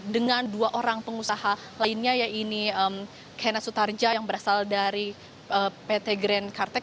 dengan dua orang pengusaha lainnya yaitu kenneth sutardja yang berasal dari pt grenada